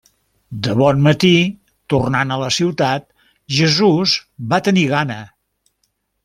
De bon matí, tornant a la ciutat, Jesús va tenir gana.